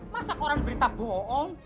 masa koran berita bohong